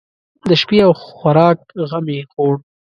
د شپې او خوراک غم یې خوړ.